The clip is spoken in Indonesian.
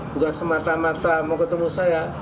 bukan semata mata mau ketemu saya